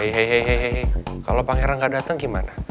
hei hei hei hei kalau pangeran gak datang gimana